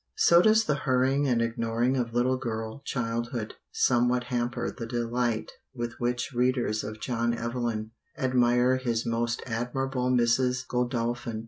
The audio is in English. So does the hurrying and ignoring of little girl childhood somewhat hamper the delight with which readers of John Evelyn admire his most admirable Mrs. Godolphin.